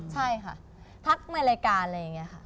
ใช่ค่ะทักในรายการอะไรอย่างนี้ค่ะ